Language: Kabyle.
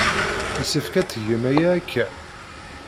Yessefk ad tgem aya akka.